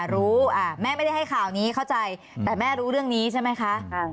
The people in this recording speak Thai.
รู้แม่ไม่ได้ให้ข่าวนี้เข้าใจแต่แม่รู้เรื่องนี้ใช่ไหมคะ